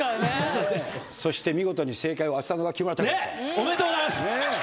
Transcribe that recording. おめでとうございます。